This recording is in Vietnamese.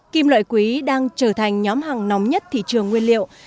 kim loại quý đang trở thành nhóm hàng nóng nhất thị trường nguyên liệu